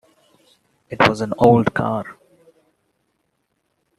It was an old car.